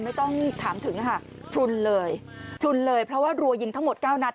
ไม่ต้องถามถึงค่ะพลุนเลยเพราะว่ารัวยิงทั้งหมด๙นัด